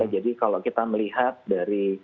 jadi kalau kita melihat dari